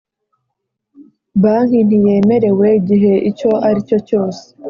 Banki ntiyemerewe igihe icyo ari cyo cyose